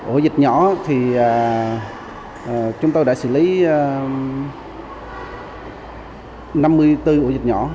ổ dịch nhỏ thì chúng tôi đã xử lý năm mươi bốn ổ dịch nhỏ